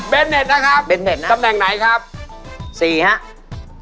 เบนเน็ตนะครับตำแหน่งไหนครับนะครับเบนเน็ตนะครับ